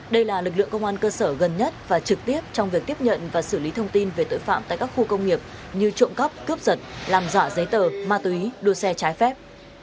đây là lực lượng công an cơ sở gần nhất và trực tiếp trong việc tiếp nhận và xử lý thông tin về tội phạm tại các khu công nghiệp như trộm cắp cướp giật làm giả giấy tờ ma túy đua xe trái phép